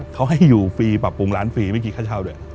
เขาให้อยู่ฟรีปรับปรุงร้านฟรีไม่คิดค่าเช่าด้วย